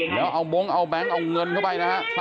แล้วเอาบงค์เอาแบงค์เอาเงินเข้าไปนะฮะ